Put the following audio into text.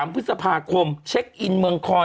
พฤษภาคมเช็คอินเมืองคอย